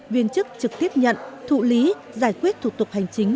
viên chức trực tiếp nhận thụ lý giải quyết thủ tục hành chính